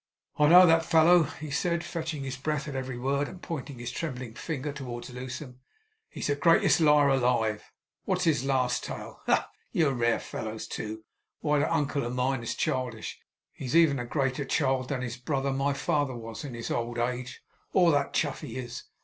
'I know that fellow,' he said, fetching his breath at every word, and pointing his trembling finger towards Lewsome. 'He's the greatest liar alive. What's his last tale? Ha, ha! You're rare fellows, too! Why, that uncle of mine is childish; he's even a greater child than his brother, my father, was, in his old age; or than Chuffey is.